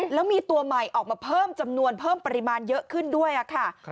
แล้วมีตัวใหม่ออกมาเพิ่มจำนวนเพิ่มปริมาณเยอะขึ้นด้วยค่ะ